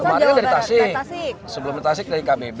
pembalian dari tasik sebelum tasik dari kbb